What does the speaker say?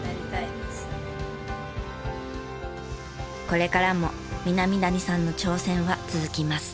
これからも南谷さんの挑戦は続きます。